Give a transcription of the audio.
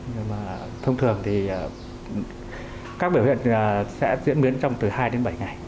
nhưng mà thông thường thì các biểu hiện sẽ diễn biến trong từ hai đến bảy ngày